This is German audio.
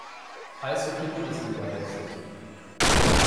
Eishockey-Bundesliga wechselt.